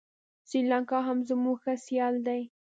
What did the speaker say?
سریلانکا هم زموږ ښه سیال دی.